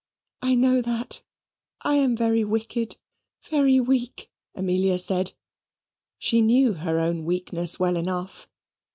"I know that. I am very wicked, very weak," Amelia said. She knew her own weakness well enough.